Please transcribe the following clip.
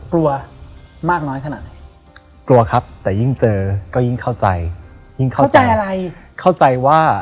กลัวมากน้อยขนาดไหนกลัวครับแต่ยิ่งเจอก็ยิ่งเข้าใจ๗